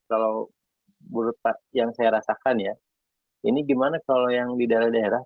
kalau menurut pak yang saya rasakan ya ini gimana kalau yang di daerah daerah